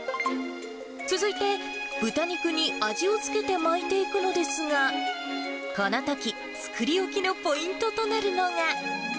続いて、豚肉に味をつけて巻いていくのですが、このとき、作り置きのポイントとなるのが。